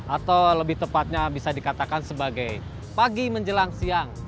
atau lebih tepatnya bisa dikatakan sebagai pagi menjelang siang